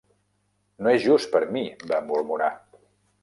"No és just per a mi", va murmurar.